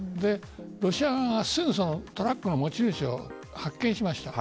ロシア側がすぐトラックの持ち主を発見しました。